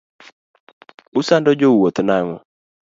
Usando jo wuoth nang'o.